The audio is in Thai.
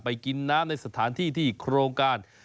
กินน้ำในสถานที่ที่โครงการ